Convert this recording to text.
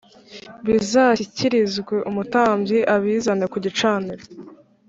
bizashyikirizwe umutambyi abizane ku gicaniro